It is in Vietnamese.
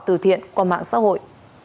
từ thiện qua mạng xã hội